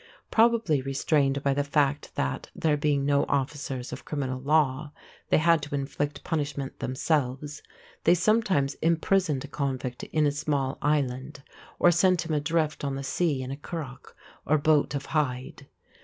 Probably restrained by the fact that, there being no officers of criminal law, they had to inflict punishment themselves, they sometimes imprisoned a convict in a small island, or sent him adrift on the sea in a currach or boat of hide.